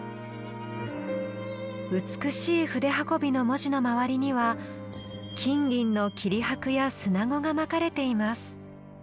美しい筆運びの文字の周りには金銀の切箔や砂子がまかれています。